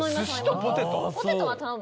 ポテトは頼む。